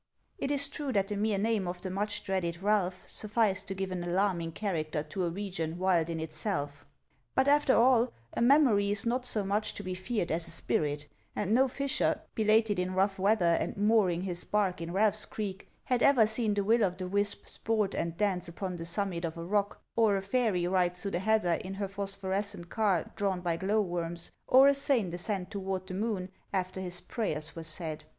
It is true that the mere name of the much dreaded Ralph sufficed to give an alarming character to a region wild in itself. But after all, a memory is not so much to be feared as a spirit; and no fisher, belated in rough weather, and mooring his bark in Ralph's creek, had ever seen the will o' the wisp sport and dance upon the summit of a rock, or a fairy ride through the heather in her phos phorescent car drawn by glow worms, or a saint ascend toward the moon, after his prayers were said.